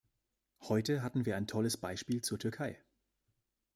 Heute hatten wir ein tolles Beispiel zur Türkei.